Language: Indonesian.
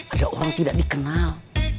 ada orang tidak dikenal